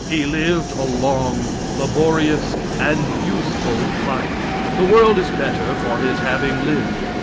He lived a long, laborious, and useful life. The world is better for his having lived.